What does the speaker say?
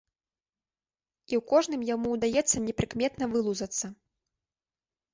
І ў кожным яму ўдаецца непрыкметна вылузацца.